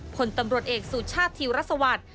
ผลตำรวจเอกสุชาติทิวรัศวัตร